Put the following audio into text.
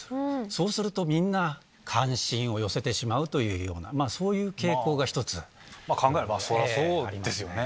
そうすると、みんな、関心を寄せてしまうというような、そういう考えればそりゃそうですよね。